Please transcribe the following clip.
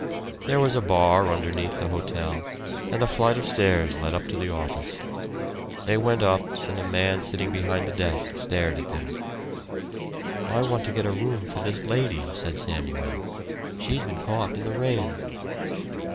There was a bar underneath the hotel, and a flight of stairs led up to the office. They went up, and a man sitting behind the desk stared at them. "I want to get a room for this lady," said Samuel. "She's been caught in the rain."